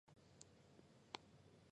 后死于狱中。